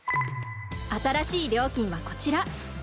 新しい料金はこちら。